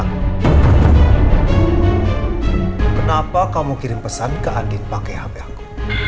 kenapa kamu kirim pesan ke andien pake hp aku